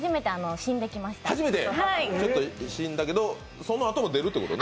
死んだけど、そのあとも出るってことね？